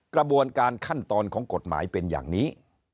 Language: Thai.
กระบวนการขั้นตอนของกฎหมายเป็นอย่างนี้